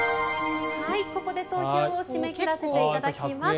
ここで投票を締め切らせていただきます。